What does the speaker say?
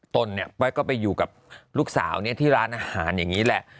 ตนเนี่ยไว้ก็ไปอยู่กับลูกสาวเนี่ยที่ร้านอาหารอย่างนี้แหละ